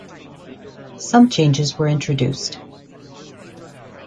Some changes were introduced.